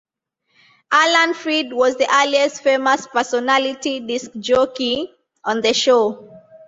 Alan Freed was the earliest famous personality disc jockey on the show.